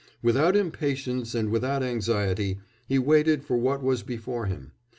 Without impatience and without anxiety, he waited for what was before him.